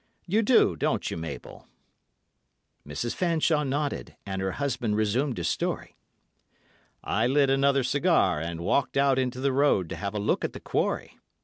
You do, don't you, Mabel?" Mrs. Fanshawe nodded, and her husband resumed his story. "I lit another cigar and walked out into the road to have a look at the quarry.